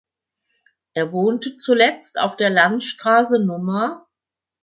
Er wohnte zuletzt auf der Landstraße Nr.